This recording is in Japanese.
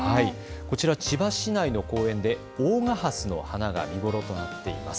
こちら千葉市内の公園で大賀ハスの花が見頃となっています。